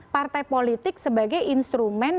partai politik sebagai instrumen